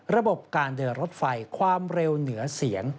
ระบบการเดินรถไฟความเร็วเหนือเสียง